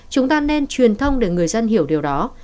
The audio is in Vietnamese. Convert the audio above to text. chúng ta nên truyền thông để người dân hiểu điều đó